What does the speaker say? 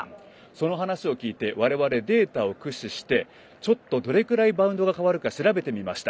その話を聞いて我々、データを駆使してどれくらいバウンドが変わるか調べてみました。